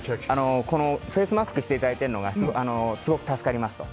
このフェースマスクをしていただいているのがすごく助かりますと。